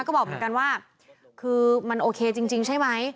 ก็บอกเหมือนกันว่าคือมันโอเคจริงใช่ไหม